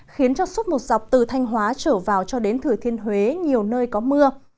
khiến cho suốt một dọc từ thanh hóa trở vào cho đến thừa thiên huế nhiều nơi có mưa